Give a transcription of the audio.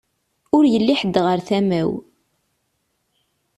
Ur yelli ḥed ɣer tama-w.